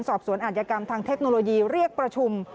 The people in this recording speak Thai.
สอบสวนอาจยกรรมทางเทคโนโลยีเรียกประชุม